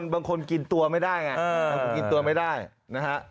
บางคนกินตัวไม่ได้ไงบางคนกินตัวไม่ได้นะฮะ